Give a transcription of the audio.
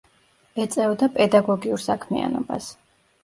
ეწეოდა პედაგოგიურ საქმიანობას.